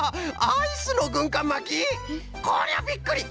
アイスのぐんかんまき？こりゃびっくり！